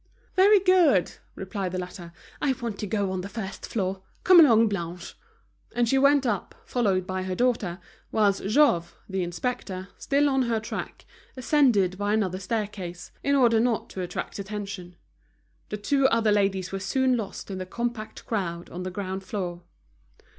"Very good," replied the latter. "I want to go on the first floor. Come along, Blanche." And she went up followed by her daughter, whilst Jouve, the inspector, still on her track, ascended by another staircase, in order not to attract attention. The two other ladies were soon lost in the compact crowd on the ground floor.